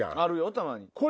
たまに。